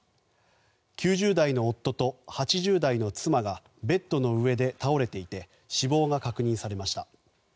９０代の夫と８０代の妻がベッドの上で倒れていて死亡が確認されました。